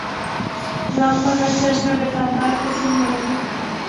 جو آپ کو ہر چرچ میں بتعداد کثیر ملیں گے